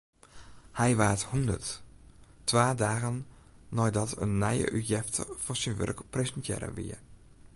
Hy waard hûndert, twa dagen neidat in nije útjefte fan syn wurk presintearre wie.